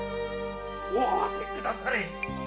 お会わせくだされ！